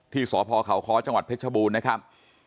ที่สคคจังหวัดเพชรบูรณ์นะครับ